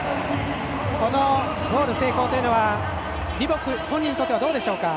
このゴール成功、リボック本人にとってはどうでしょうか？